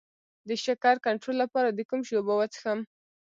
د شکر کنټرول لپاره د کوم شي اوبه وڅښم؟